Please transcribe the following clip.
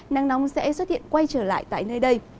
nắng nóng sẽ xuất hiện quay trở lại tại nơi đây